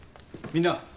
みんな。